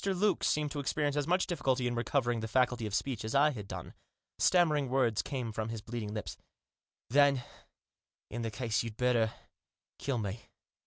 Luke seemed to experience as much difficulty in recovering the faculty of speech as I had done. Stammering words came from his bleeding lips, " Then — in that case — you'd better — kill me."